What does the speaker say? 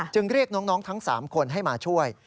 เรียกน้องทั้ง๓คนให้มาช่วย